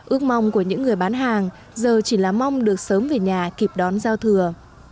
ước mong của những người bán hàng giờ chỉ là mong được sớm về nhà kịp đón giao thừa